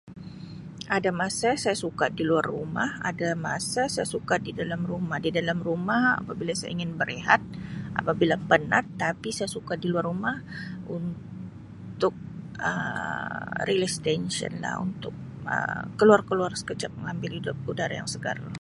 Ada masa saya suka di luar rumah, ada masa saya suka di dalam rumah. Di dalam rumah apabila saya ingin berehat, apabila penat tapi saya suka di luar rumah untuk Um 'release tension' lah untuk Um keluar-keluar sekejap ambil hidu-udara yang segar.